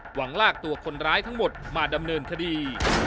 หวังลากตัวคนร้ายทั้งหมดมาดำเนินคดี